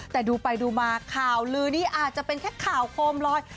แต่ดูไปดูมาข่าวลือนี้อาจจะเป็นแค่ข่าวโคมลอย